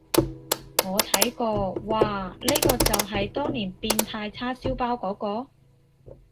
我睇過，嘩，呢個就係當年變態叉燒包嗰個？